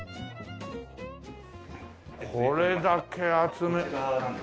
これだけ集めて。